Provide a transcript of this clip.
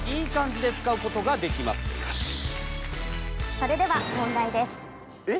それでは問題です。えっ？